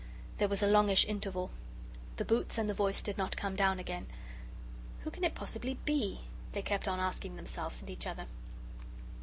There was a longish interval. The boots and the voice did not come down again. "Who can it possibly be?" they kept on asking themselves and each other.